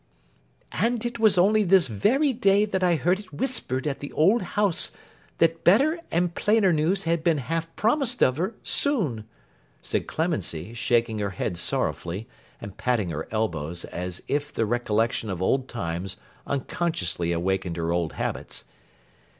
'And it was only this very day that I heard it whispered at the old house, that better and plainer news had been half promised of her, soon!' said Clemency, shaking her head sorrowfully, and patting her elbows as if the recollection of old times unconsciously awakened her old habits.